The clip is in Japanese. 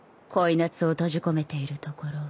夏を閉じ込めているところを。